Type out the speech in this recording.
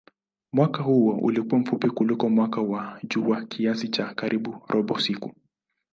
Mwaka huo ulikuwa mfupi kuliko mwaka wa jua kiasi cha karibu robo siku.